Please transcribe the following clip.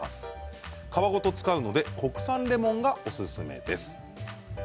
皮ごと使うので国産レモンが、おすすめです。